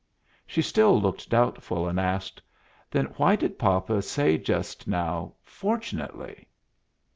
She still looked doubtful, and asked, "Then why did papa say just now, 'Fortunately'?"